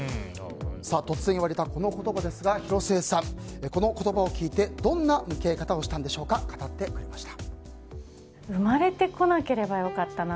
突然言われたこの言葉ですが広末さんはこの言葉を聞いてどんな向き合い方をしたのか語ってくれました。